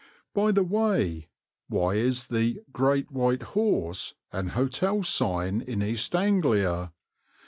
By the way, why is the "Great White Horse" an hotel sign in East Anglia?